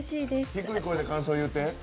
低い声で感想言うて。